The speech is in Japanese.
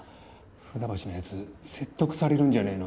船橋のヤツ説得されるんじゃねえの？